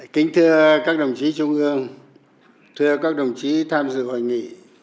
kính thưa các đồng chí trung ương thưa các đồng chí tham dự hội nghị